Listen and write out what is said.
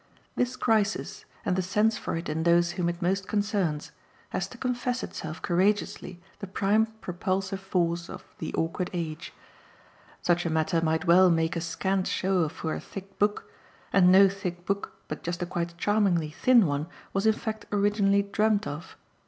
This crisis, and the sense for it in those whom it most concerns, has to confess itself courageously the prime propulsive force of "The Awkward Age." Such a matter might well make a scant show for a "thick book," and no thick book, but just a quite charmingly thin one, was in fact originally dreamt of.